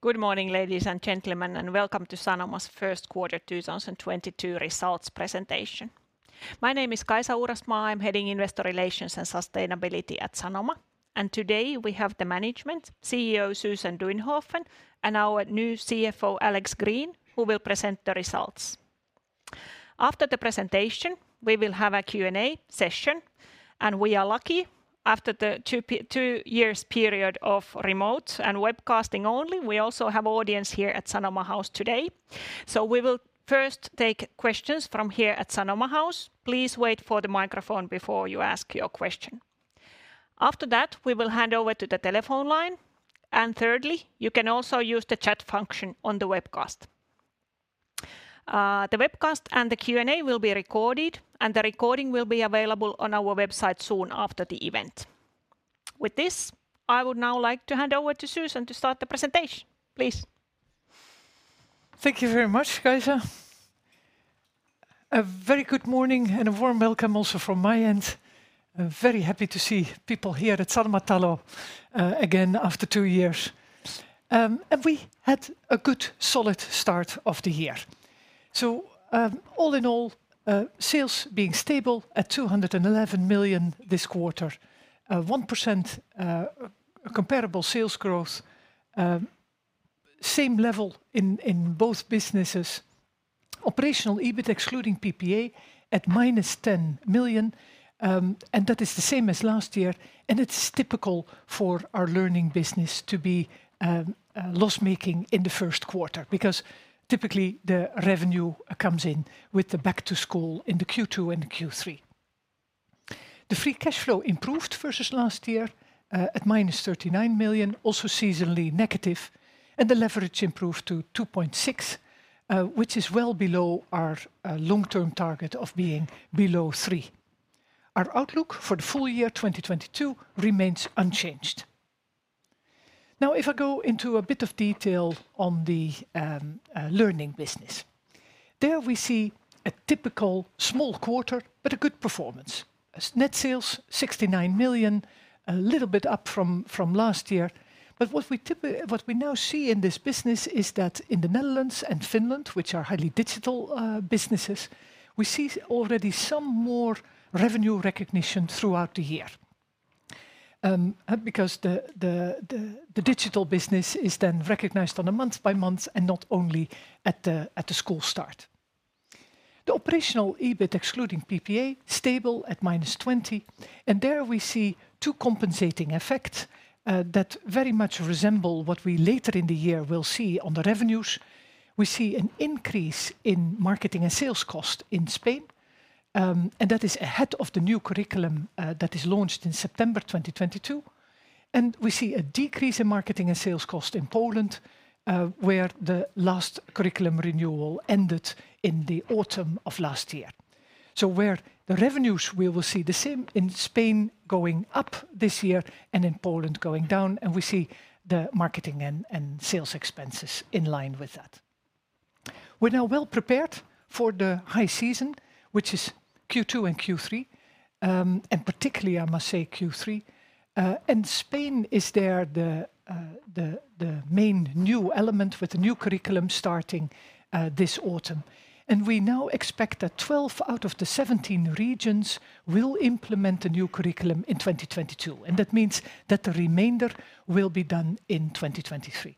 Good morning, ladies and gentlemen, and welcome to Sanoma's Q1 2022 results presentation. My name is Kaisa Uurasmaa. I'm heading Investor Relations and Sustainability at Sanoma. Today we have the management, CEO Susan Duinhoven, and our new CFO, Alex Green, who will present the results. After the presentation, we will have a Q&A session, and we are lucky after the two years period of remote and webcasting only, we also have audience here at Sanoma House today. We will first take questions from here at Sanoma House. Please wait for the microphone before you ask your question. After that, we will hand over to the telephone line. Thirdly, you can also use the chat function on the webcast. The webcast and the Q&A will be recorded, and the recording will be available on our website soon after the event. With this, I would now like to hand over to Susan to start the presentation. Please. Thank you very much, Kaisa. A very good morning and a warm welcome also from my end. I'm very happy to see people here at Sanomatalo again after two years. We had a good solid start of the year. All in all, sales being stable at 211 million this quarter. 1% comparable sales growth. Same level in both businesses. Operational EBIT, excluding PPA, at -10 million, and that is the same as last year, and it's typical for our learning business to be loss-making in the Q1 because typically the revenue comes in with the back to school in the Q2 and Q3. The free cash flow improved versus last year at 39 million, also seasonally negative, and the leverage improved to 2.6, which is well below our long-term target of being below 3. Our outlook for the full year 2022 remains unchanged. Now, if I go into a bit of detail on the learning business. There we see a typical small quarter but a good performance. As net sales 69 million, a little bit up from last year. What we now see in this business is that in the Netherlands and Finland, which are highly digital businesses, we see already some more revenue recognition throughout the year. Because the digital business is then recognized on a month by month and not only at the school start. The operational EBIT excluding PPA, stable at 20, and there we see two compensating effects that very much resemble what we later in the year will see on the revenues. We see an increase in marketing and sales costs in Spain, and that is ahead of the new curriculum that is launched in September 2022. We see a decrease in marketing and sales costs in Poland, where the last curriculum renewal ended in the autumn of last year. Where the revenues we will see the same in Spain going up this year and in Poland going down, and we see the marketing and sales expenses in line with that. We're now well prepared for the high season, which is Q2 and Q3, and particularly I must say Q3. Spain is the main new element with the new curriculum starting this autumn. We now expect that 12 out of the 17 regions will implement the new curriculum in 2022, and that means that the remainder will be done in 2023.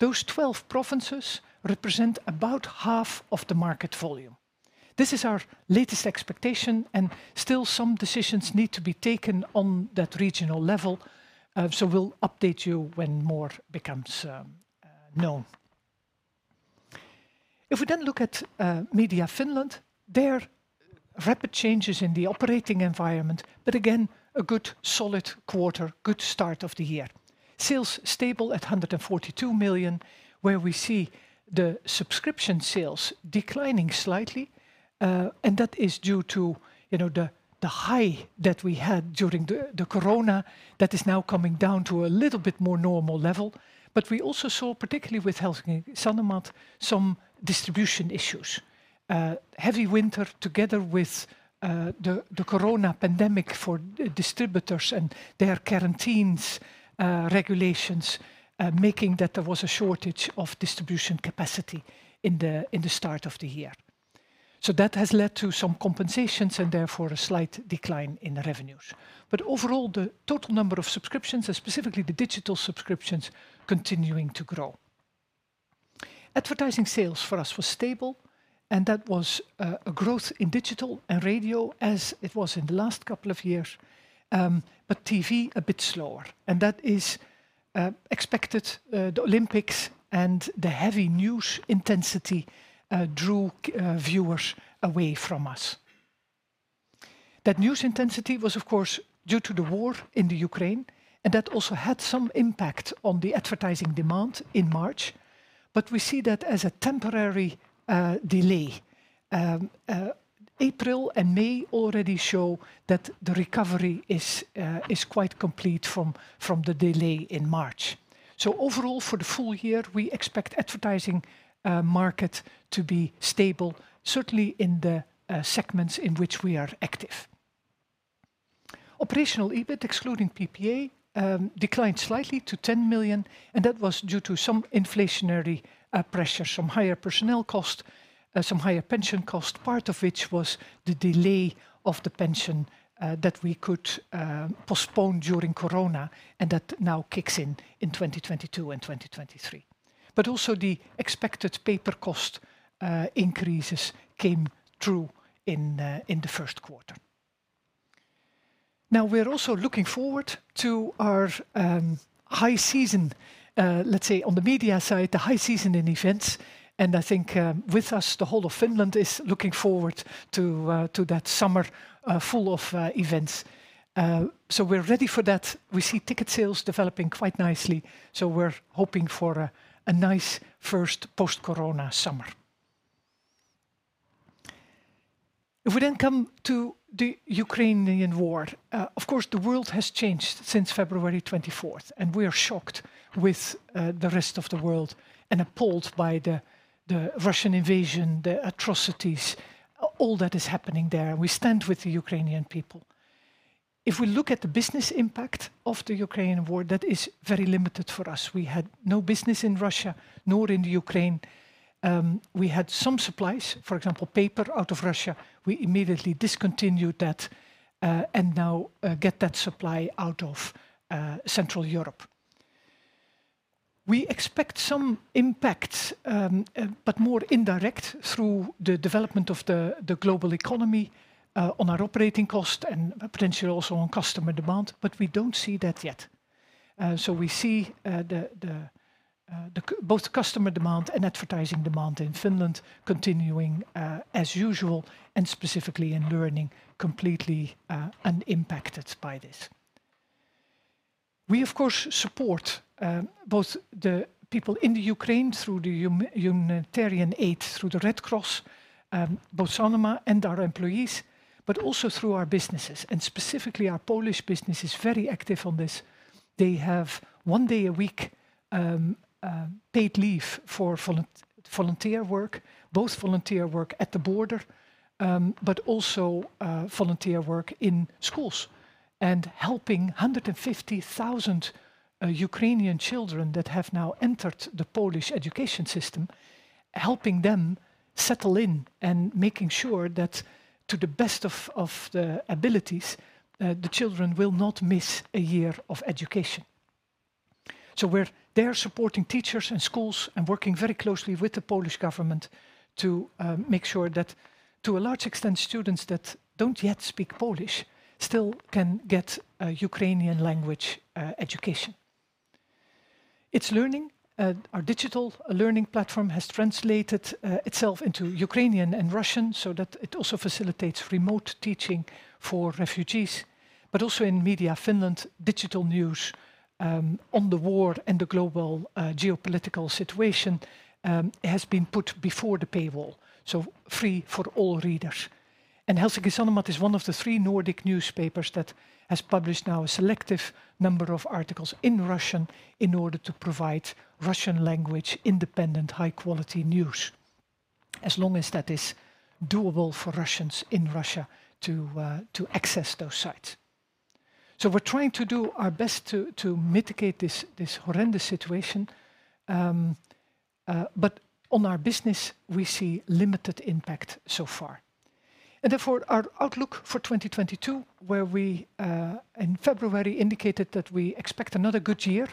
Those 12 provinces represent about half of the market volume. This is our latest expectation, and still some decisions need to be taken on that regional level. We'll update you when more becomes known. If we then look at Sanoma Media Finland, there are rapid changes in the operating environment, but again, a good solid quarter, good start of the year. Sales stable at 142 million, where we see the subscription sales declining slightly, and that is due to, you know, the high that we had during the corona that is now coming down to a little bit more normal level. We also saw, particularly with Helsingin Sanomat, some distribution issues. Heavy winter together with the corona pandemic for distributors and their quarantines, regulations, making that there was a shortage of distribution capacity in the start of the year. That has led to some compensations and therefore a slight decline in revenues. Overall, the total number of subscriptions and specifically the digital subscriptions continuing to grow. Advertising sales for us was stable, and that was a growth in digital and radio as it was in the last couple of years, but TV a bit slower. That is expected. The Olympics and the heavy news intensity drew viewers away from us. That news intensity was, of course, due to the war in Ukraine, and that also had some impact on the advertising demand in March. We see that as a temporary delay. April and May already show that the recovery is quite complete from the delay in March. Overall for the full year, we expect advertising market to be stable, certainly in the segments in which we are active. Operational EBIT excluding PPA declined slightly to 10 million, and that was due to some inflationary pressure, some higher personnel cost, some higher pension cost, part of which was the delay of the pension that we could postpone during corona and that now kicks in in 2022 and 2023. Also the expected paper cost increases came through in the Q1. Now we're also looking forward to our high season, let's say on the media side, the high season in events, and I think, with us, the whole of Finland is looking forward to that summer full of events. We're ready for that. We see ticket sales developing quite nicely, so we're hoping for a nice first post-corona summer. If we then come to the Ukrainian war, of course, the world has changed since February twenty-fourth, and we are shocked with the rest of the world and appalled by the Russian invasion, the atrocities, all that is happening there. We stand with the Ukrainian people. If we look at the business impact of the Ukrainian war, that is very limited for us. We had no business in Russia nor in Ukraine. We had some supplies, for example, paper out of Russia. We immediately discontinued that, and now get that supply out of Central Europe. We expect some impact, but more indirect through the development of the global economy on our operating cost and potentially also on customer demand, but we don't see that yet. We see both customer demand and advertising demand in Finland continuing as usual, and specifically in learning completely unimpacted by this. We of course support both the people in the Ukraine through humanitarian aid through the Red Cross, both Sanoma and our employees, but also through our businesses and specifically our Polish business is very active on this. They have one day a week, paid leave for volunteer work, both volunteer work at the border, but also, volunteer work in schools and helping 150,000 Ukrainian children that have now entered the Polish education system, helping them settle in and making sure that to the best of the abilities, the children will not miss a year of education. We're there supporting teachers and schools and working very closely with the Polish government to make sure that to a large extent, students that don't yet speak Polish still can get a Ukrainian language education. Itslearning, our digital learning platform has translated itself into Ukrainian and Russian so that it also facilitates remote teaching for refugees. Also in Media Finland, digital news on the war and the global geopolitical situation has been put before the paywall, so free for all readers. Helsingin Sanomat is one of the three Nordic newspapers that has published now a selective number of articles in Russian in order to provide Russian language independent high-quality news, as long as that is doable for Russians in Russia to access those sites. We're trying to do our best to mitigate this horrendous situation, but on our business, we see limited impact so far. Therefore, our outlook for 2022, where we in February indicated that we expect another good year,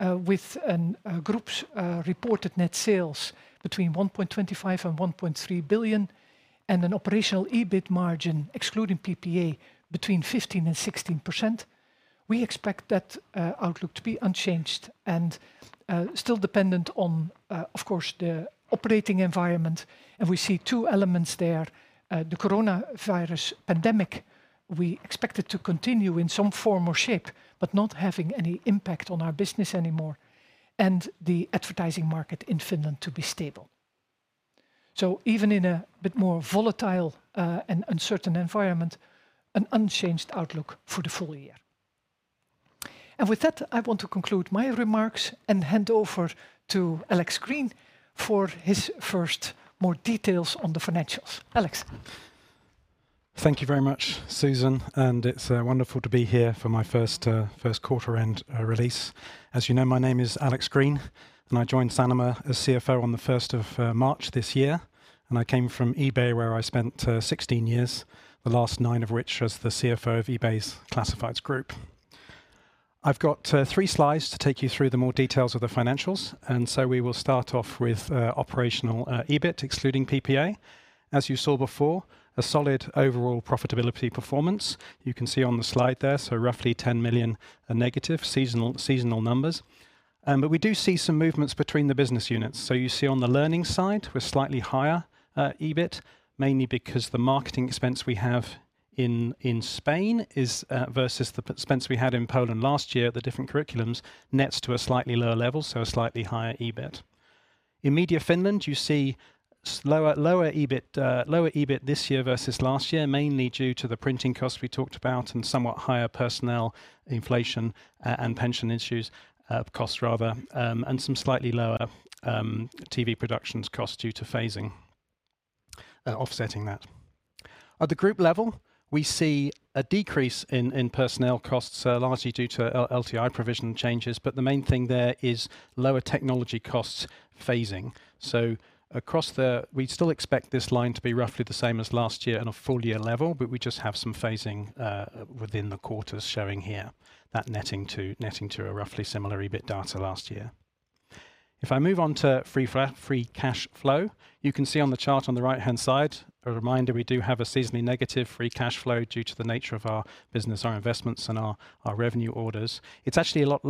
with a group's reported net sales between 1.25 billion and 1.3 billion and an operational EBIT margin excluding PPA between 15% and 16%. We expect that outlook to be unchanged and still dependent on, of course, the operating environment, and we see two elements there. The coronavirus pandemic, we expect it to continue in some form or shape, but not having any impact on our business anymore, and the advertising market in Finland to be stable. Even in a bit more volatile and uncertain environment, an unchanged outlook for the full year. With that, I want to conclude my remarks and hand over to Alex Green for his first more details on the financials. Alex. Thank you very much, Susan, and it's wonderful to be here for my Q1 end release. As you know, my name is Alex Green, and I joined Sanoma as CFO on the first of March this year, and I came from eBay where I spent 16 years, the last 9 of which as the CFO of eBay's Classifieds Group. I've got 3 slides to take you through the more details of the financials, and so we will start off with operational EBIT excluding PPA. As you saw before, a solid overall profitability performance. You can see on the slide there, so roughly 10 million negative seasonal numbers. We do see some movements between the business units. You see on the learning side, we're slightly higher EBIT, mainly because the marketing expense we have in Spain is versus the expense we had in Poland last year, the different curriculums nets to a slightly lower level, so a slightly higher EBIT. In Media Finland, you see lower EBIT this year versus last year, mainly due to the printing costs we talked about and somewhat higher personnel inflation and pension issues, costs rather, and some slightly lower TV productions costs due to phasing. Offsetting that. At the group level, we see a decrease in personnel costs, largely due to LTI provision changes, but the main thing there is lower technology costs phasing. We still expect this line to be roughly the same as last year on a full-year level, but we just have some phasing within the quarters showing here that netting to a roughly similar EBITDA last year. If I move on to free cash flow, you can see on the chart on the right-hand side, a reminder we do have a seasonally negative free cash flow due to the nature of our business, our investments and our revenue orders. It's actually a lot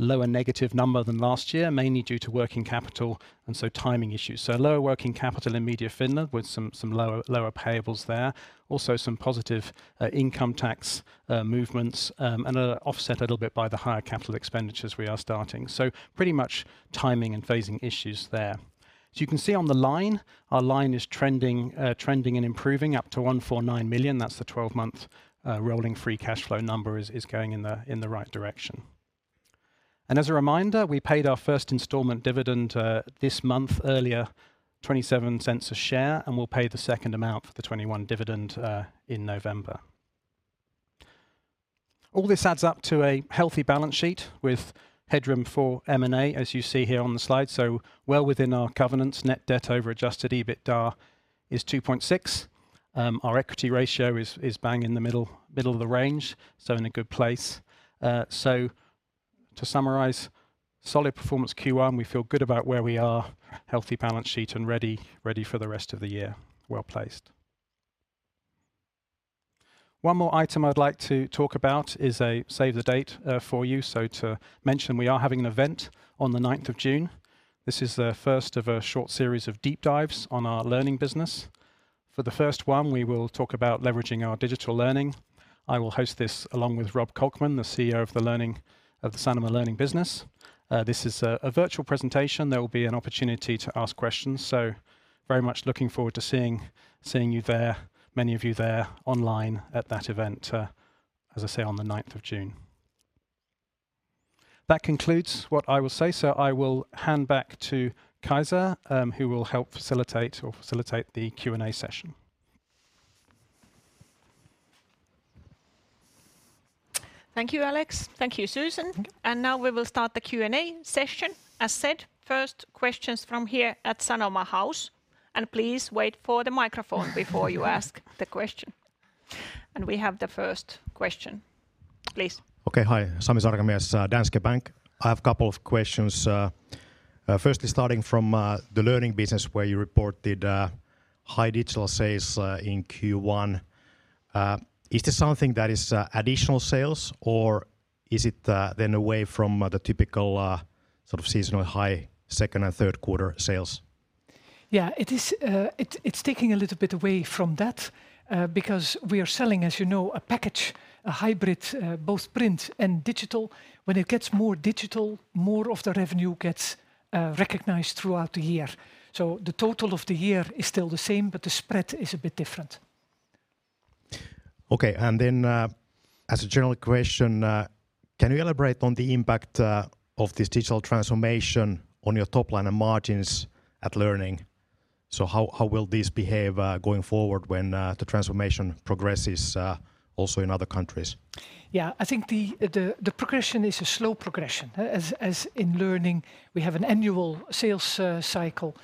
lower negative number than last year, mainly due to working capital and so timing issues. Lower working capital in Media Finland with some lower payables there. Also some positive income tax movements and are offset a little bit by the higher capital expenditures we are starting. Pretty much timing and phasing issues there. You can see on the line, our line is trending and improving up to 149 million. That's the twelve-month rolling free cash flow number is going in the right direction. As a reminder, we paid our first installment dividend earlier this month, 0.27 per share, and we'll pay the second amount for the 2021 dividend in November. All this adds up to a healthy balance sheet with headroom for M&A, as you see here on the slide, so well within our covenants. Net debt over adjusted EBITDA is 2.6. Our equity ratio is bang in the middle of the range, so in a good place. To summarize, solid performance Q1, we feel good about where we are, healthy balance sheet and ready for the rest of the year, well-placed. One more item I'd like to talk about is a save-the-date for you. To mention, we are having an event on the ninth of June. This is the first of a short series of deep dives on our learning business. For the first one, we will talk about leveraging our digital learning. I will host this along with Rob Kolkman, the CEO of the Sanoma Learning business. This is a virtual presentation. There will be an opportunity to ask questions, so very much looking forward to seeing you there, many of you there online at that event, as I say, on the ninth of June. That concludes what I will say, so I will hand back to Kaisa, who will help facilitate the Q&A session. Thank you, Alex. Thank you, Susan. Mm-hmm. Now we will start the Q&A session. As said, first questions from here at Sanoma House, and please wait for the microphone before you ask the question. We have the first question. Please. Okay. Hi. Sami Sarkamies, Danske Bank. I have a couple of questions. Firstly, starting from the learning business where you reported high digital sales in Q1. Is this something that is additional sales or is it then away from the typical sort of seasonal high second and third quarter sales? Yeah. It's taking a little bit away from that, because we are selling, as you know, a package, a hybrid, both print and digital. When it gets more digital, more of the revenue gets recognized throughout the year. The total of the year is still the same, but the spread is a bit different. Okay. As a general question, can you elaborate on the impact of this digital transformation on your top line and margins at learning? How will this behave going forward when the transformation progresses also in other countries? I think the progression is a slow progression. As in learning, we have an annual sales cycle.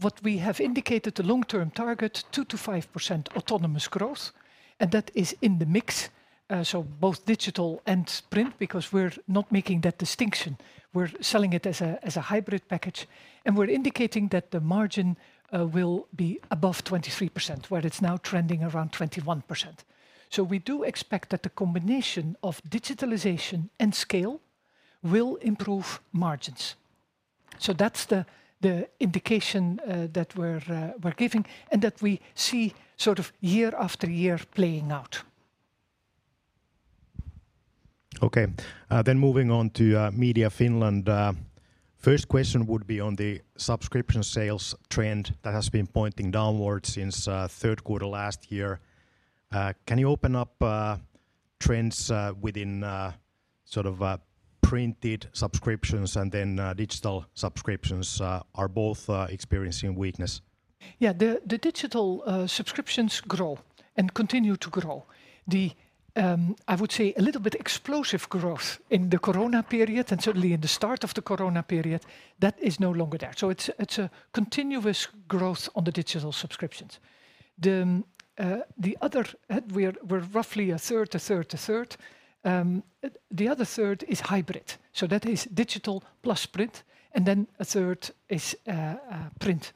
What we have indicated the long-term target, 2%-5% autonomous growth, and that is in the mix, so both digital and print because we're not making that distinction. We're selling it as a hybrid package. We're indicating that the margin will be above 23%, where it's now trending around 21%. We do expect that the combination of digitalization and scale will improve margins. That's the indication that we're giving and that we see sort of year after year playing out. Okay. Moving on to Media Finland. First question would be on the subscription sales trend that has been pointing downward since third quarter last year. Can you open up trends within sort of printed subscriptions and then digital subscriptions are both experiencing weakness? Yeah. The digital subscriptions grow and continue to grow. I would say a little bit explosive growth in the corona period and certainly in the start of the corona period, that is no longer there. It's a continuous growth on the digital subscriptions. We're roughly a third, a third, a third. The other third is hybrid, so that is digital plus print, and then a third is print.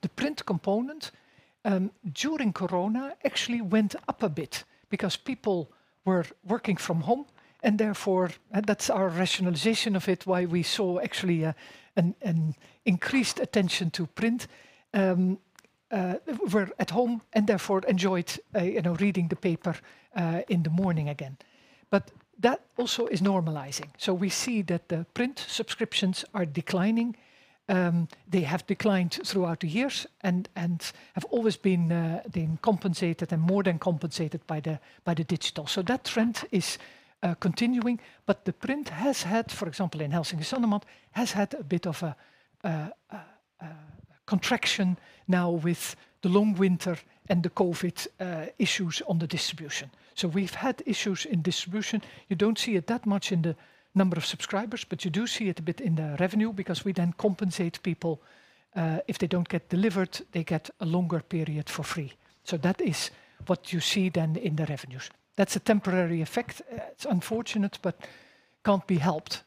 The print component during corona actually went up a bit because people were working from home, and therefore that's our rationalization of it, why we saw actually an increased attention to print were at home and therefore enjoyed you know reading the paper in the morning again. That also is normalizing, so we see that the print subscriptions are declining. They have declined throughout the years and have always been compensated and more than compensated by the digital. That trend is continuing, but the print has had, for example, in Helsingin Sanomat, a bit of a. Contraction now with the long winter and the COVID issues on the distribution. We've had issues in distribution. You don't see it that much in the number of subscribers, but you do see it a bit in the revenue because we then compensate people if they don't get delivered, they get a longer period for free. That is what you see then in the revenues. That's a temporary effect. It's unfortunate, but can't be helped.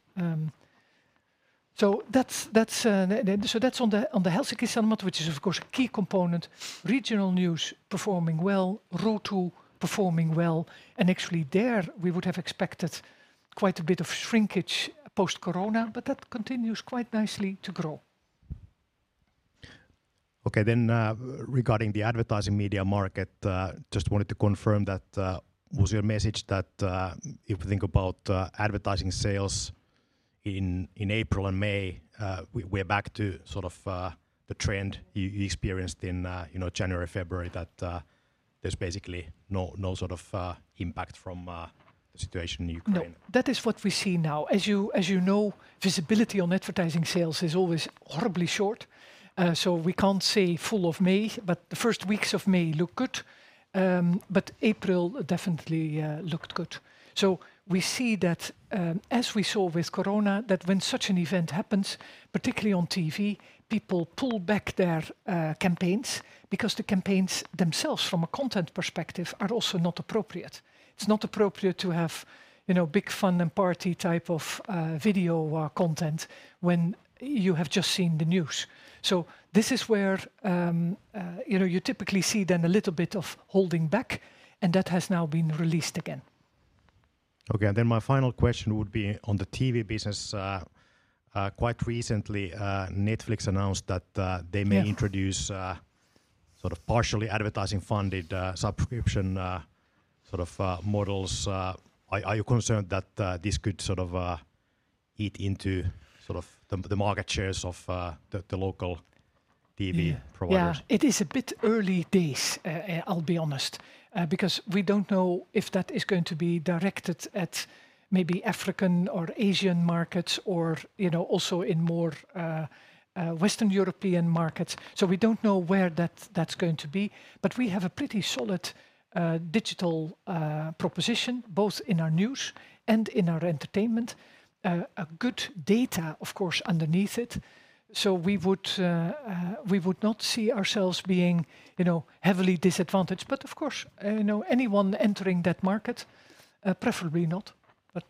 That's on the Helsingin Sanomat, which is of course a key component. Regional news performing well. Ruutu performing well, and actually there we would have expected quite a bit of shrinkage post-corona, but that continues quite nicely to grow. Okay, regarding the advertising media market, just wanted to confirm that, was your message that, if we think about, advertising sales in April and May, we're back to sort of, the trend you experienced in, you know, January, February, that, there's basically no sort of, impact from, the situation in Ukraine? No. That is what we see now. As you know, visibility on advertising sales is always horribly short, so we can't say for all of May, but the first weeks of May look good. April definitely looked good. We see that, as we saw with Corona, that when such an event happens, particularly on TV, people pull back their campaigns because the campaigns themselves from a content perspective are also not appropriate. It's not appropriate to have, you know, big fun and party type of video or content when you have just seen the news. This is where, you know, you typically see then a little bit of holding back, and that has now been released again. Okay. My final question would be on the TV business. Quite recently, Netflix announced that, they- Yeah May introduce sort of partially advertising funded subscription sort of models. Are you concerned that this could sort of eat into sort of the market shares of the local TV providers? Yeah. It is a bit early days, I'll be honest, because we don't know if that is going to be directed at maybe African or Asian markets or, you know, also in more Western European markets. So we don't know where that's going to be. But we have a pretty solid digital proposition both in our news and in our entertainment. A good data, of course, underneath it. So we would not see ourselves being, you know, heavily disadvantaged. But of course, you know, anyone entering that market, preferably not, but.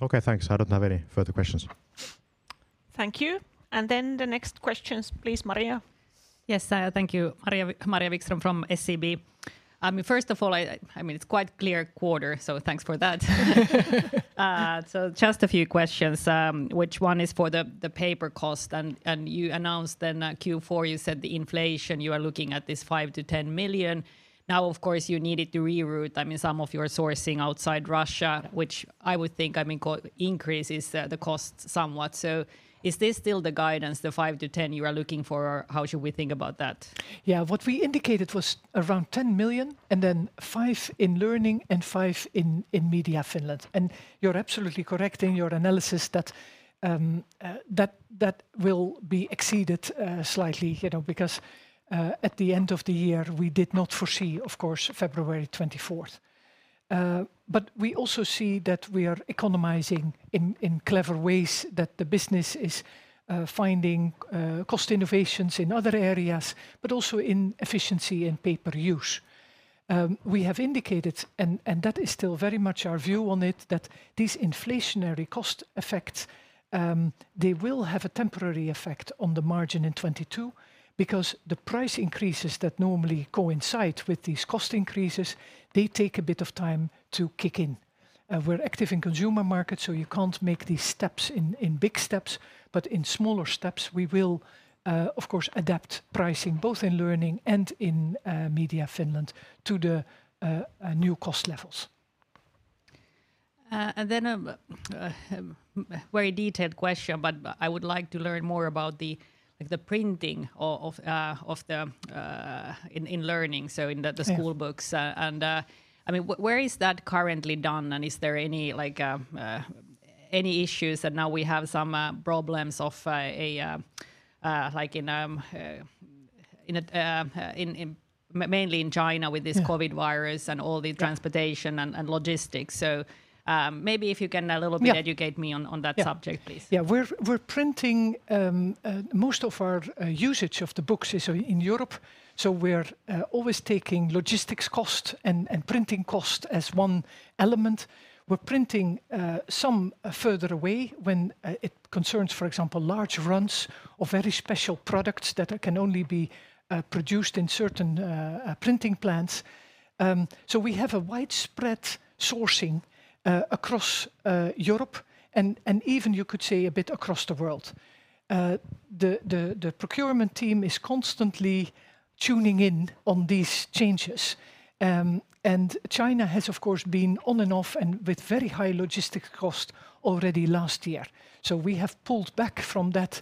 Okay. Thanks. I don't have any further questions. Thank you. The next questions, please, Maria. Yes, thank you. Maria Wikström from SEB. I mean, first of all, it's quite clear quarter, so thanks for that. Just a few questions, which one is for the paper cost and you announced in Q4, you said the inflation, you are looking at this 5-10 million. Now, of course, you needed to reroute, I mean, some of your sourcing outside Russia, which I would think, I mean, increases the cost somewhat. Is this still the guidance, the 5-10 you are looking for? How should we think about that? Yeah. What we indicated was around 10 million, and then 5 million in Learning and 5 million in Media Finland. You're absolutely correct in your analysis that that will be exceeded slightly, you know, because at the end of the year, we did not foresee, of course, February twenty-fourth. But we also see that we are economizing in clever ways, that the business is finding cost innovations in other areas, but also in efficiency and paper use. We have indicated, and that is still very much our view on it, that these inflationary cost effects they will have a temporary effect on the margin in 2022 because the price increases that normally coincide with these cost increases, they take a bit of time to kick in. We're active in consumer markets, so you can't make these steps in big steps. In smaller steps, we will of course adapt pricing, both in Learning and in Media Finland to the new cost levels. a very detailed question, but I would like to learn more about the, like the printing of the in Learning, so in the- Yeah... the school books. I mean, where is that currently done, and is there any, like, any issues that now we have some problems of like in mainly in China with this? Yeah COVID virus and all the transportation Yeah logistics. Maybe if you can a little bit Yeah Educate me on that subject, please. We're printing most of our usage of the books is in Europe, so we're always taking logistics cost and printing cost as one element. We're printing some further away when it concerns, for example, large runs of very special products that can only be produced in certain printing plants. We have a widespread sourcing across Europe and even you could say a bit across the world. The procurement team is constantly tuning in on these changes. China has of course been on and off and with very high logistics cost already last year. We have pulled back from that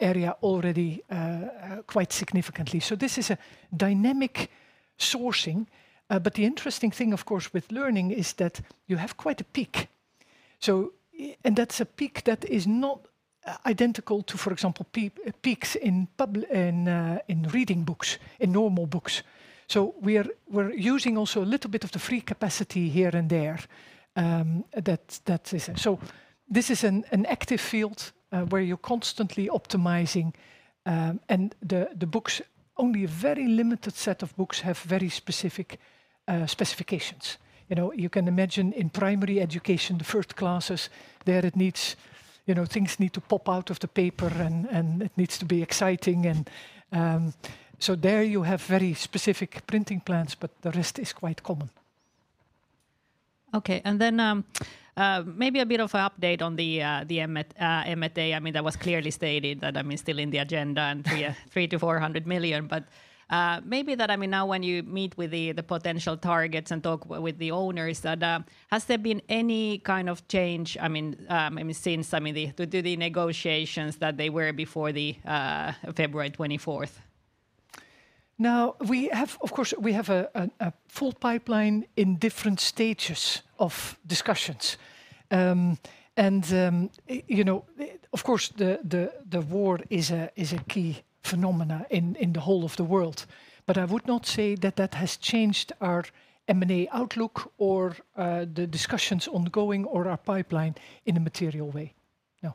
area already quite significantly. This is a dynamic sourcing. The interesting thing of course with Learning is that you have quite a peak. That's a peak that is not identical to, for example, peaks in publishing, in reading books, in normal books. We're using also a little bit of the free capacity here and there, that is. This is an active field where you're constantly optimizing. The books, only a very limited set of books have very specific specifications. You know, you can imagine in primary education, the first classes, there it needs, you know, things need to pop out of the paper and it needs to be exciting, so there you have very specific printing plans, but the rest is quite common. Okay. Maybe a bit of a update on the M&A. I mean, that was clearly stated that, I mean, still in the agenda and 300 million-400 million. Maybe that, I mean, now when you meet with the potential targets and talk with the owners that has there been any kind of change, I mean, since the negotiations that they were before the February 24th? Now, we have, of course, a full pipeline in different stages of discussions. You know, of course, the war is a key phenomenon in the whole of the world. I would not say that has changed our M&A outlook or the ongoing discussions or our pipeline in a material way, no.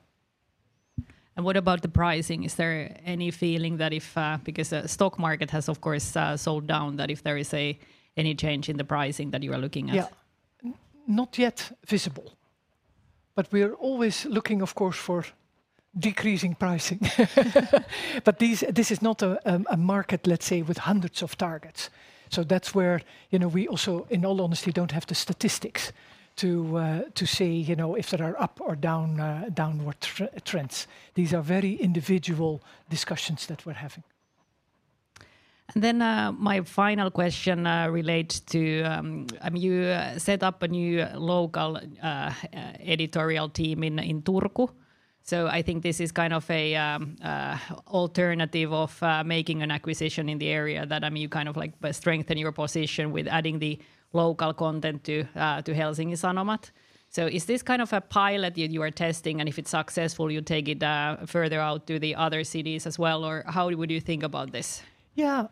What about the pricing? Is there any feeling that if, because, stock market has of course, sold down, that if there is any change in the pricing that you are looking at? Yeah. Not yet visible, but we're always looking, of course, for decreasing pricing. This is not a market, let's say, with hundreds of targets. That's where, you know, we also, in all honesty, don't have the statistics to say, you know, if there are up or down, downward trends. These are very individual discussions that we're having. My final question relates to, I mean, you set up a new local editorial team in Turku. I think this is kind of a alternative of making an acquisition in the area that, I mean, you kind of like strengthen your position with adding the local content to Helsingin Sanomat. Is this kind of a pilot you are testing, and if it's successful, you take it further out to the other cities as well or how would you think about this? Yeah.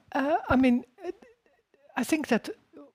I mean, I think that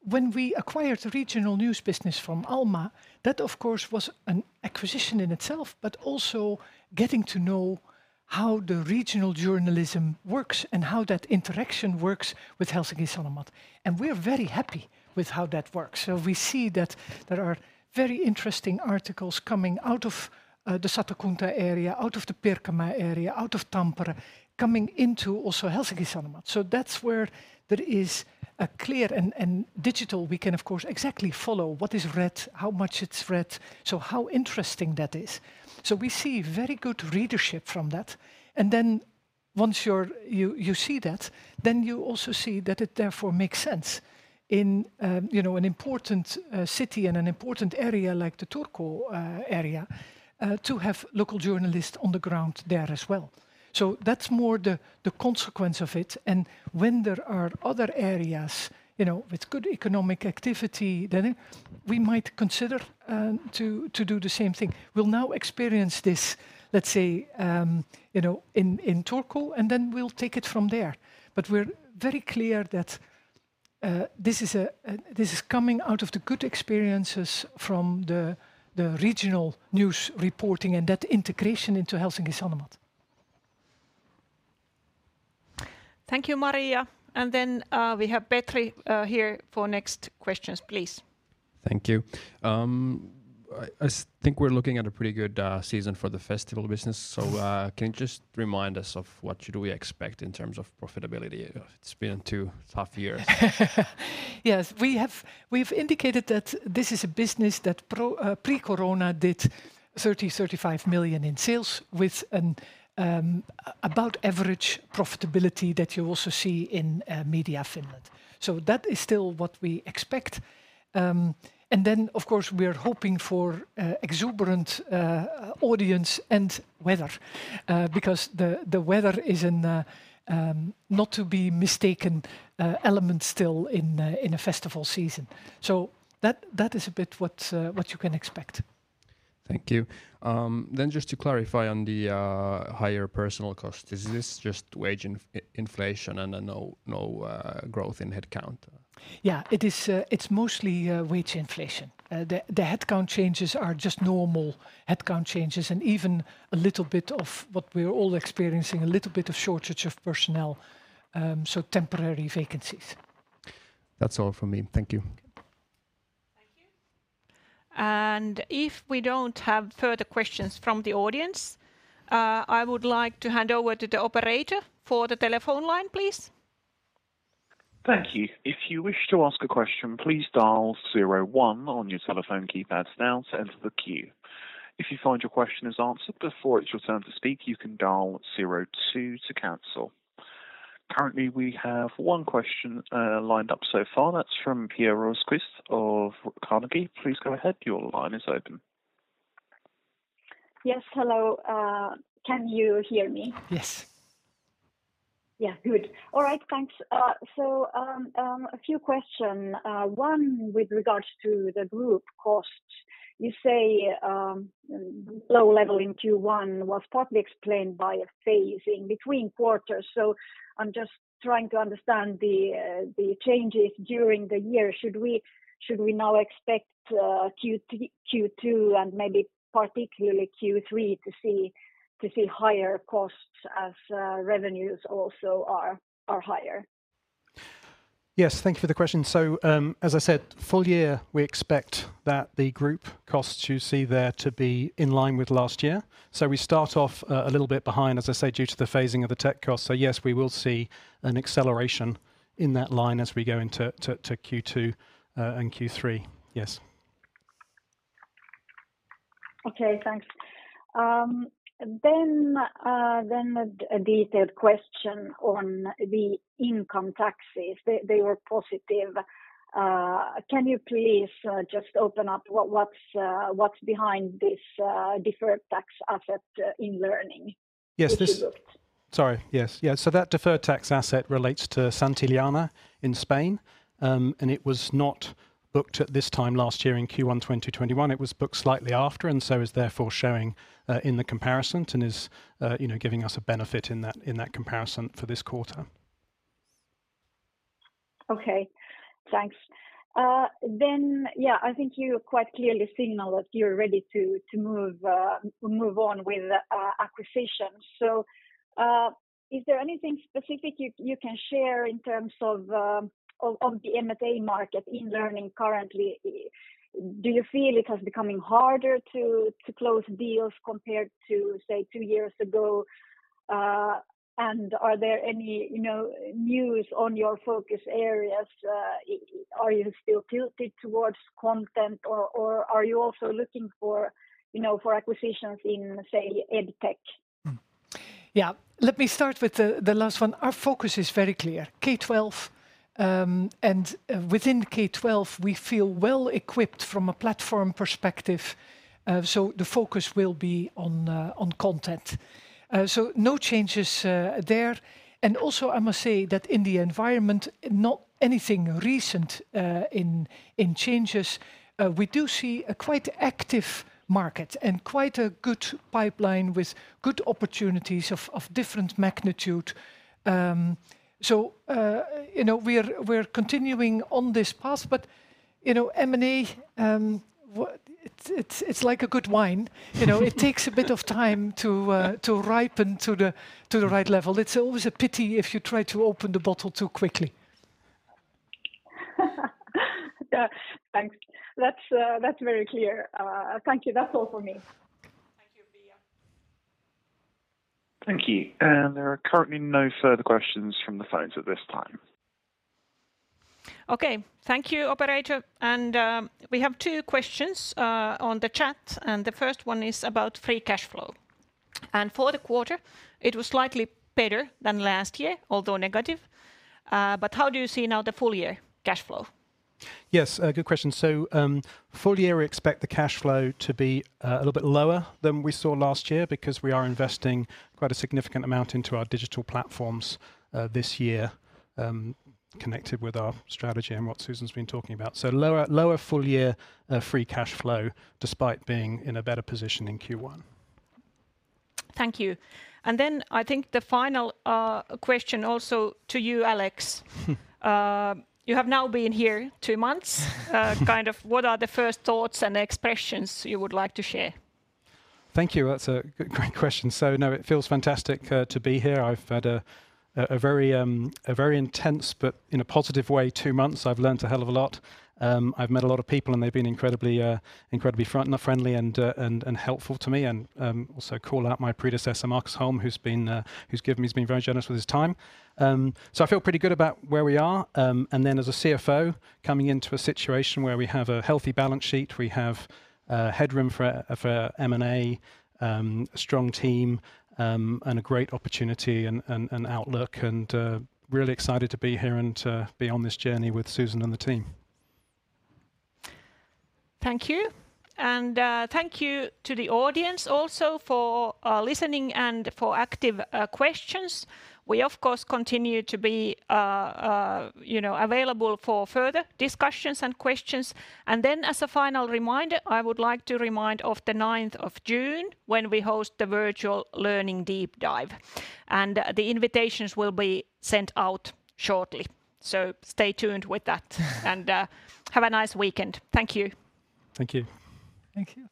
when we acquired the regional news business from Alma, that of course was an acquisition in itself, but also getting to know how the regional journalism works and how that interaction works with Helsingin Sanomat, and we're very happy with how that works. We see that there are very interesting articles coming out of the Satakunta area, out of the Pirkanmaa area, out of Tampere, coming into also Helsingin Sanomat. That's where there is a clear and digital we can, of course, exactly follow what is read, how much it's read, so how interesting that is. We see very good readership from that. Once you see that, you also see that it therefore makes sense in, you know, an important city and an important area like the Turku area, to have local journalists on the ground there as well. That's more the consequence of it. When there are other areas, you know, with good economic activity, then we might consider to do the same thing. We'll now experience this, let's say, you know, in Turku, and then we'll take it from there. We're very clear that this is coming out of the good experiences from the regional news reporting and that integration into Helsingin Sanomat. Thank you, Maria. We have Petri here for next questions, please. Thank you. I think we're looking at a pretty good season for the festival business. Yes. Can you just remind us of what should we expect in terms of profitability? It's been two tough years. Yes. We have, we've indicated that this is a business that pre-corona did 30-35 million in sales with about average profitability that you also see in Media Finland. That is still what we expect. Of course, we are hoping for exuberant audience and weather because the weather is a not to be mistaken element still in a festival season. That is a bit what you can expect. Thank you. Just to clarify on the higher personnel cost, is this just wage inflation and no growth in headcount? Yeah. It is, it's mostly wage inflation. The headcount changes are just normal headcount changes and even a little bit of what we're all experiencing, a little bit of shortage of personnel, so temporary vacancies. That's all from me. Thank you. Thank you. If we don't have further questions from the audience, I would like to hand over to the operator for the telephone line, please. Thank you. If you wish to ask a question, please dial zero one on your telephone keypads now to enter the queue. If you find your question is answered before it's your turn to speak, you can dial zero two to cancel. Currently, we have one question lined up so far. That's from Pia Rosqvist-Heinsalmi of Carnegie. Please go ahead. Your line is open. Yes. Hello. Can you hear me? Yes. Yeah. Good. All right. Thanks. A few questions. One with regards to the group costs. You say low level in Q1 was partly explained by a phasing between quarters. I'm just trying to understand the changes during the year. Should we now expect Q2 and maybe particularly Q3 to see higher costs as revenues also are higher? Yes. Thank you for the question. As I said, full year we expect that the group costs you see there to be in line with last year. We start off a little bit behind, as I say, due to the phasing of the tech costs. Yes, we will see an acceleration in that line as we go into Q2 and Q3. Yes. Okay, thanks. A detailed question on the income taxes. They were positive. Can you please just open up what's behind this deferred tax asset in learning? Yes. Could you look? That deferred tax asset relates to Santillana in Spain. It was not booked at this time last year in Q1 2021. It was booked slightly after and so is therefore showing in the comparison and is you know giving us a benefit in that comparison for this quarter. Yeah, I think you quite clearly signaled that you're ready to move on with acquisitions. Is there anything specific you can share in terms of the M&A market in learning currently? Do you feel it has become harder to close deals compared to, say, two years ago? Are there any, you know, news on your focus areas? Are you still tilted towards content or are you also looking for, you know, for acquisitions in, say, EdTech? Yeah. Let me start with the last one. Our focus is very clear, K-12, and within K-12 we feel well-equipped from a platform perspective, so the focus will be on content. No changes there. Also I must say that in the environment, not anything recent in changes, we do see a quite active market and quite a good pipeline with good opportunities of different magnitude. You know, we're continuing on this path. You know, M&A, it's like a good wine. You know, it takes a bit of time to ripen to the right level. It's always a pity if you try to open the bottle too quickly. Yeah. Thanks. That's very clear. Thank you. That's all for me. Thank you, Pia. Thank you. There are currently no further questions from the phones at this time. Okay. Thank you, operator. We have two questions on the chat, and the first one is about free cash flow. For the quarter, it was slightly better than last year, although negative. How do you see now the full-year cash flow? Yes. A good question. Full year we expect the cash flow to be a little bit lower than we saw last year because we are investing quite a significant amount into our digital platforms this year connected with our strategy and what Susan's been talking about. Lower full year free cash flow despite being in a better position in Q1. Thank you. I think the final question also to you, Alex. You have now been here two months. Kind of what are the first thoughts and expressions you would like to share? Thank you. That's a great question. No, it feels fantastic to be here. I've had a very intense, but in a positive way, two months. I've learned a hell of a lot. I've met a lot of people, and they've been incredibly friendly and helpful to me. Also call out my predecessor, Markus Holm, who's given me. He's been very generous with his time. I feel pretty good about where we are. Then as a CFO, coming into a situation where we have a healthy balance sheet, we have headroom for M&A, a strong team, and a great opportunity and outlook and really excited to be here and to be on this journey with Susan and the team. Thank you. Thank you to the audience also for listening and for active questions. We of course continue to be, you know, available for further discussions and questions. As a final reminder, I would like to remind of the ninth of June when we host the virtual learning deep dive. The invitations will be sent out shortly. Stay tuned with that. Have a nice weekend. Thank you. Thank you. Thank you.